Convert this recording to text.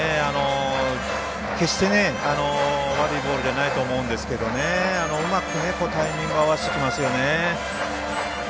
決して、悪いボールではないと思うんですけどねうまくタイミング合わせてきますよね。